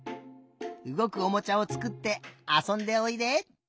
うごくおもちゃをつくってあそんでおいで。